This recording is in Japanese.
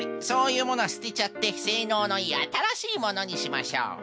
そういうものはすてちゃってせいのうのいいあたらしいものにしましょう。